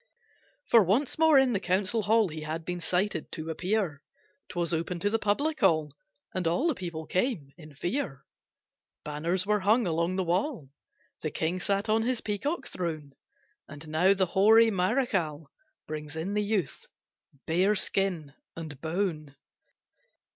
For once more in the Council Hall He had been cited to appear, 'Twas open to the public all, And all the people came in fear. Banners were hung along the wall, The King sat on his peacock throne, And now the hoary Marechal Brings in the youth, bare skin and bone.